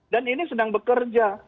dan ini sedang bekerja